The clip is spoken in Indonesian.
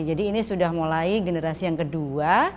jadi ini sudah mulai generasi yang kedua